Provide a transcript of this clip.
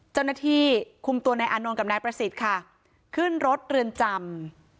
เจ้าหน้าที่คุมตัวนายอานนท์กับนายประสิทธิ์ค่ะขึ้นรถเรือนจำ